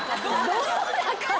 「どうだかぁ」